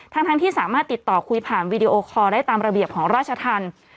ทั้งที่สามารถติดต่อคุยผ่านวีดีโอคอลได้ตามระเบียบของราชธรรม